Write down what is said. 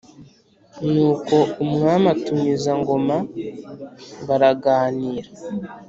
Nuko umwami atumiza ngoma baraganira